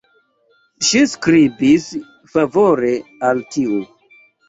Ŝi skribis favore al tiu.